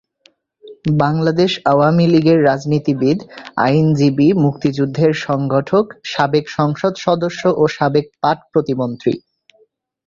বাংলাদেশ আওয়ামী লীগের রাজনীতিবিদ, আইনজীবী, মুক্তিযুদ্ধের সংগঠক, সাবেক সংসদ সদস্য ও সাবেক পাট প্রতিমন্ত্রী।